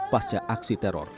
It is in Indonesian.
pasca aksi teror